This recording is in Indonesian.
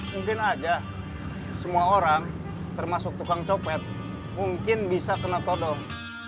mungkin aja semua orang termasuk tukang copet mungkin bisa kena todong